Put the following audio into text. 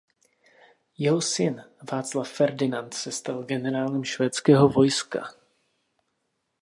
Jeho syn Václav Ferdinand se stal generálem švédského vojska.